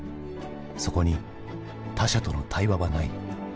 そこに他者との対話はない。